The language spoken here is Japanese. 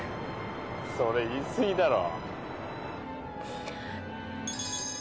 それ言いすぎだろう